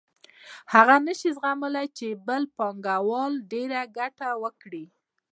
هغه نشي زغملای چې بل پانګوال ډېره ګټه وکړي